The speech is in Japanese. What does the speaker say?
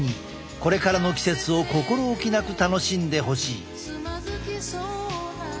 これからの季節を心おきなく楽しんでほしい。